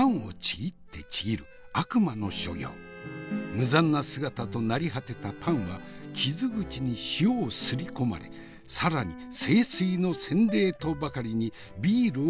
無残な姿と成り果てたパンは傷口に塩を擦り込まれ更に聖水の洗礼とばかりにビールを浴びせかけられる。